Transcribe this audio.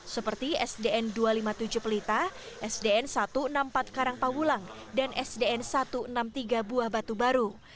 seperti sdn dua ratus lima puluh tujuh pelita sdn satu ratus enam puluh empat karangpawulang dan sdn satu ratus enam puluh tiga buah batu baru